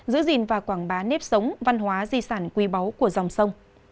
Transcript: giữ gìn và quảng bá nếp sống văn hóa di sản quý báu của dòng sông